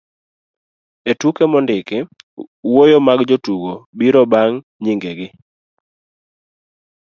e tuke mondiki, wuoyo mag jotugo biro bang' nying'egi